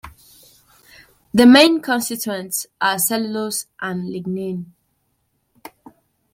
Their main constituents are cellulose and lignin.